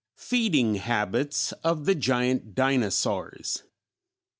_Feeding Habits of the Giant Dinosaurs.